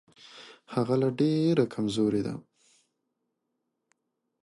هغه لا ډېره کمزورې ده.